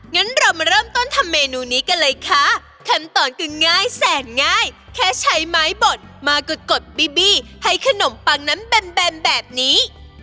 งั้นเรามาเริ่มต้นทำเมนูนี้กันเลยค่ะขั้นตอนก็ง่ายแสนง่ายแค่ใช้ไม้บดมากดบีบี้ให้ขนมปังนั้นแบมแบมแบบนี้